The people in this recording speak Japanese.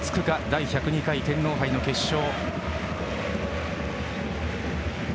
第１０２回天皇杯の決勝。